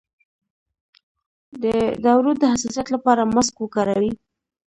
د دوړو د حساسیت لپاره ماسک وکاروئ